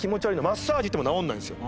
マッサージ行っても治らないんですよ。